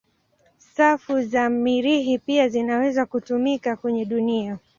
Safu za Mirihi pia zinaweza kutumika kwenye dunia.